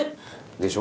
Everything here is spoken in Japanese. でしょ？